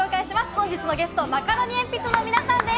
本日のゲスト、マカロニえんぴつの皆さんです。